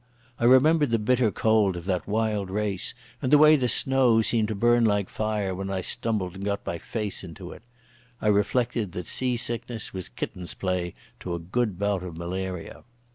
I remembered the bitter cold of that wild race, and the way the snow seemed to burn like fire when I stumbled and got my face into it. I reflected that sea sickness was kitten's play to a good bout of malaria.